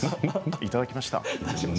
いただきました。